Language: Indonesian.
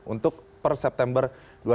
untuk per september dua ribu delapan belas